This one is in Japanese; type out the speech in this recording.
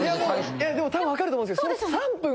でも多分分かると思うんですけど。